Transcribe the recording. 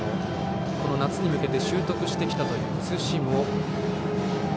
この夏に向けて習得してきたというツーシーム。